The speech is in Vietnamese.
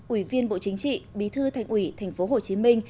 ủy viên bộ chính trị bí thư thành ủy tp hcm